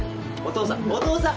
お父さん！